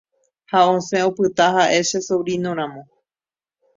ha osẽ opyta ha'e che sobrino-ramo